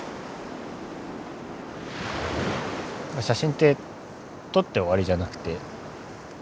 写真って撮って終わりじゃなくて。